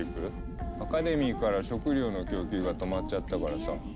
アカデミーから食料の供給が止まっちゃったからさ